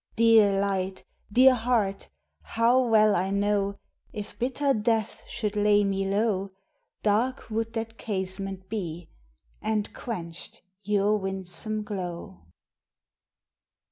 Dear light! dear heart! how well I know, If bitter Death should lay me low, Dark would that casement be, And quenched your winsome glow!